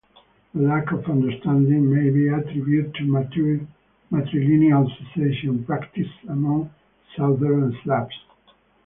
The lack of understanding may be attributed to matrilineal succession practiced among Southern Slavs.